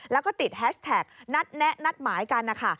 แล้วก็ติดแฮชแท็กนัดแนะนัดหมายกันนะคะ